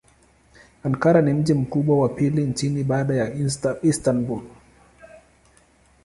Ankara ni mji mkubwa wa pili nchini baada ya Istanbul.